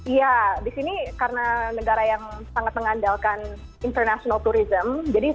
iya di sini karena negara yang sangat mengandalkan international tourism